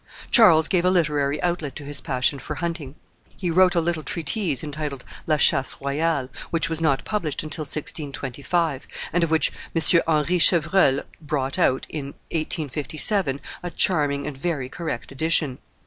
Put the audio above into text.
Charles gave a literary outlet to his passion for hunting; he wrote a little treatise entitled La Chasse royale, which was not published until 1625, and of which M. Henry Chevreul brought out, in 1857, a charming and very correct edition.